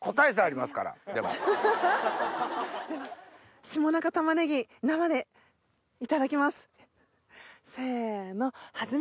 では下中たまねぎ生でいただきます。